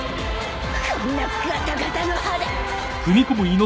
こんなガタガタの刃で